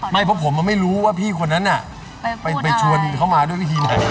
ไม่เสนอผมมันไม่รู้ว่าพี่คนนั้นไปชวนเขามาด้วยทีไหน